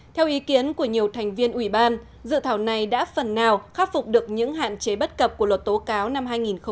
theo ý kiến của nhiều thành viên ủy ban dự thảo này đã phần nào khắc phục được những hạn chế bất cập của luật tố cáo năm hai nghìn một mươi ba